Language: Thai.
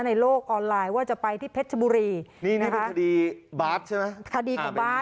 ในโลกออนไลน์ว่าจะไปที่เพชรชบุรีนี่นี่เป็นคดีบาร์ดใช่ไหมคดีกับบาร์ด